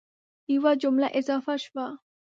یوه جمله اضافه شوه